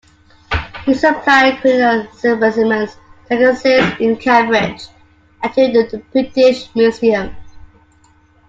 He supplied crinoid specimens to Agassiz in Cambridge and to the British Museum.